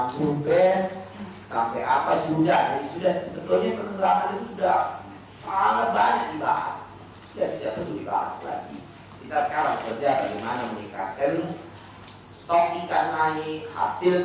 kementerian kkp akan melanjutkan tren positif yang telah dicapai